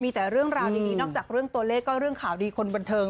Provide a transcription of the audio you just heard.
มีแต่เรื่องราวดีนอกจากเรื่องตัวเลขก็เรื่องข่าวดีคนบันเทิง